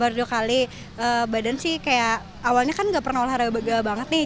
baru dua kali badan sih kayak awalnya kan gak pernah olahraga begal banget nih